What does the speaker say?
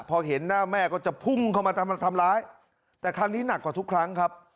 พอเห็นหน้าแม่ก็จะพุ่งเข้ามาทำร้ายแต่ครั้งนี้หนักกว่าทุกครั้งครับ